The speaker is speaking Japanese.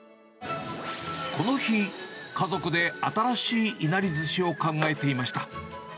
この日、家族で新しいいなりずしを考えていました。